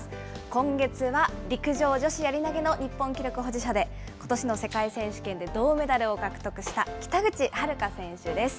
今月は陸上女子やり投げの日本記録保持者で、ことしの世界選手権で銅メダルを獲得した北口榛花選手です。